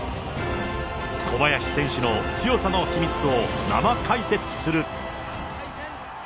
小林選手の強さの秘密を生解説する。